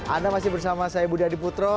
anda masih bersama saya budi adiputro